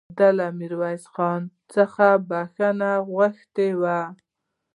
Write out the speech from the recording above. ده له ميرويس خان څخه بخښنه غوښتې وه